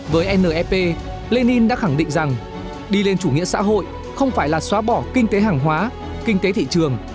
với nep lenin đã khẳng định rằng đi lên chủ nghĩa xã hội không phải là xóa bỏ kinh tế hàng hóa kinh tế thị trường